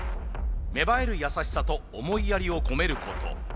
芽生える優しさと思いやりをこめること。